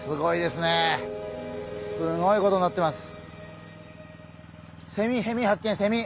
すごいことになってます。